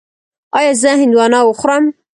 ایا زه هندواڼه وخورم؟